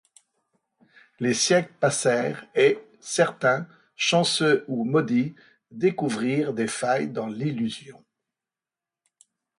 Les siècles passèrent et, certains, chanceux ou maudits, découvrirent des failles dans l'illusion.